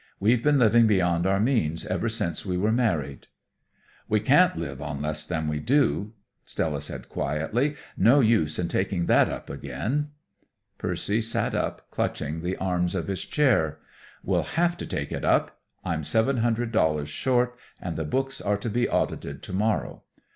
We've been living beyond our means ever since we were married." "We can't live on less than we do," Stella said quietly. "No use in taking that up again." Percy sat up, clutching the arms of his chair. "We'll have to take it up. I'm seven hundred dollars short, and the books are to be audited to morrow.